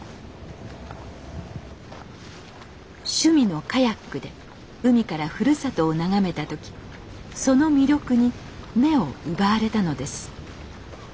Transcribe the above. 趣味のカヤックで海からふるさとを眺めた時その魅力に目を奪われたのです。